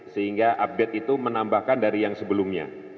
sehingga update itu menambahkan dari yang sebelumnya